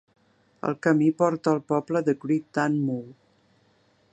El camí porta al poble de Great Dunmow.